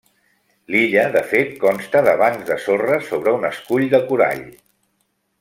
L'illa de fet consta de bancs de sorra sobre un escull de corall.